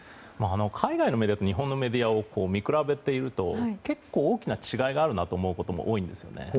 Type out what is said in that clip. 海外のメディアと日本のメディアを見比べていると結構大きな違いがあるなと思うことも多いんですよね。